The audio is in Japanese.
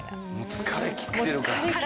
疲れ切ってるから。